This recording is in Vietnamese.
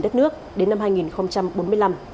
đất nước đến năm hai nghìn bốn mươi năm